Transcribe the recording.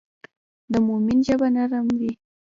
د مؤمن ژبه نرم وي.